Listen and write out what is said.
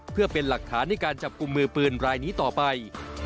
เพื่อเป็นหลักฐานในการจับกลุ่มมือปืนรายนี้ต่อไป